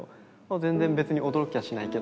「全然別に驚きはしないけど」みたいな。